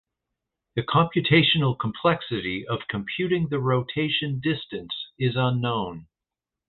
The computational complexity of computing the rotation distance is unknown.